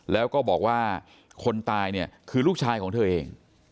แล้วก็บอกว่าคนตายเนี่ยคือลูกชายของเธอเอง